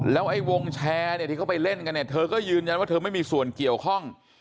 แล้วไอ้วงแชร์เนี่ยที่เขาไปเล่นกันเนี่ยเธอก็ยืนยันว่าเธอไม่มีส่วนเกี่ยวข้อง